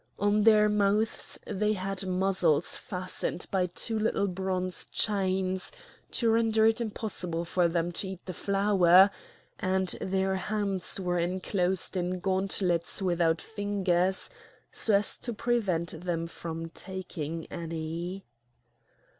On their mouths they had muzzles fastened by two little bronze chains to render it impossible for them to eat the flour, and their hands were enclosed in gauntlets without fingers, so as to prevent them from taking any.